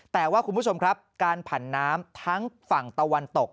แต่ว่าคุณผู้ชมครับการผันน้ำทั้งฝั่งตะวันตก